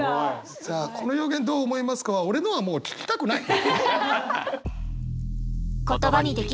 さあ「この表現どう思いますか」は俺のはもう聞きたくない。